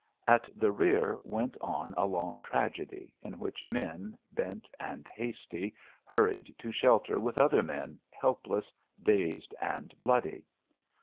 At the rear went on a long tragedy, in which men, bent and hasty, hurried to shelter with other men, helpless, dazed, and bloody.